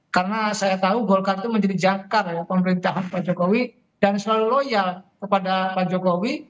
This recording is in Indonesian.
karena saya tahu golkar itu menjadi jakar pemerintahan pak jokowi dan selalu loyal kepada pak jokowi